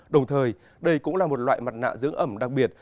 đồng thời đây cũng là một loại mặt nạ dưỡng ẩm đặc biệt